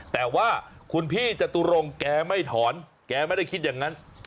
แต่ว่าคุณพี่จตุรงแกไม่ถอนแกไม่ได้คิดอย่างนั้น